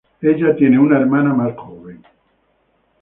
Ella tiene una hermana más joven.